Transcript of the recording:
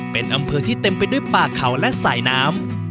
เป็นอำเภอที่เต็มไปด้วยป่าเขาและสายน้ำ